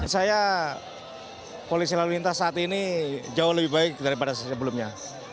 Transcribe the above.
saya polisi lalu lintas saat ini jauh lebih baik daripada sebelumnya